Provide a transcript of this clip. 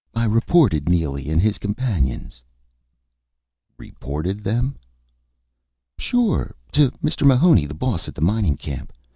I reported Neely and his companions." "Reported them?" "Sure. To Mr. Mahoney, the boss at the mining camp.